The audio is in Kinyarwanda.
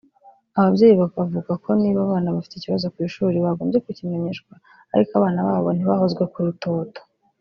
Ababyeyi bakavuga ko niba abana bafite ikibazo ku ishuri bagombye kukimenyeshwa ariko abana babo ntibahozwe ku rutoto